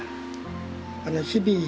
あの「日々」